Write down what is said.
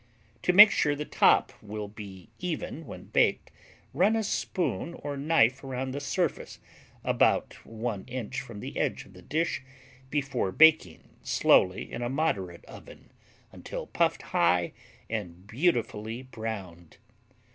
To make sure the top will be even when baked, run a spoon or knife around the surface, about 1 inch from the edge of the dish, before baking slowly in a moderate oven until puffed high and beautifully browned.